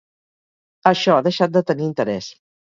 Això ha deixat de tenir interès.